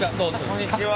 こんにちは。